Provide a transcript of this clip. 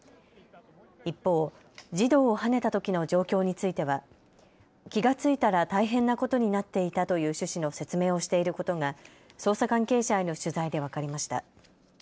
一方、児童をはねたときの状況については気が付いたら大変なことになっていたという趣旨の説明をしていることが捜査関係者への取材で分かりました。